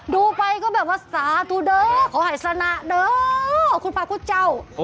ดูไปก็แบบว่าสาธุเด้อขอหายสนะเด้อคุณพระพุทธเจ้า